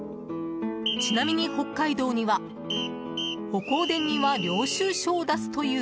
ちなみに北海道にはお香典には領収証を出すという